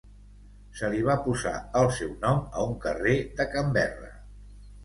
Se li va posar el seu nom a un carrer de Canberra.